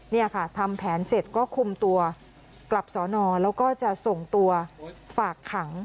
นี่ค่ะทำแผนเสร็จก็คุมตัวกลับสอนอแล้วก็จะส่งตัวฝากขัง